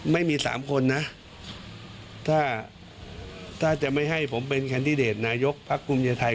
ไม่มี๓คนนะถ้าจะไม่ให้ผมเป็นแคนดร์เดทนายกพรรคกลุ่มใยไทย